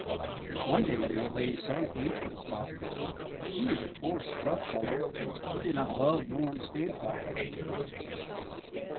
One day the old lady's son came to the spot. He was a coarse, rough fellow, and he did not love nor understand flowers.